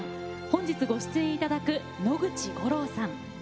本日ご出演いただく野口五郎さん。